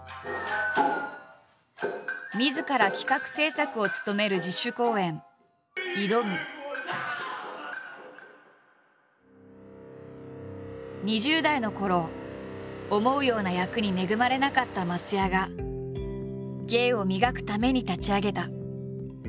みずから企画・制作を務める２０代のころ思うような役に恵まれなかった松也が芸を磨くために立ち上げた。